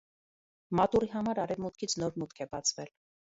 Մատուռի համար արևմուտքից նոր մուտք է բացվել։